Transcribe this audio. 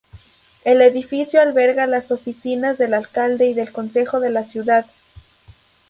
El edificio alberga las oficinas del alcalde y del Consejo de la Ciudad.